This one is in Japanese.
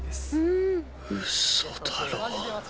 嘘だろ。